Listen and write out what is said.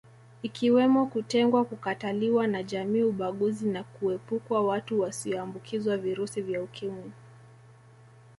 Ikiwemo kutengwa kukataliwa na jamii ubaguzi na kuepukwa watu wasioambukizwa virusi vya Ukimwi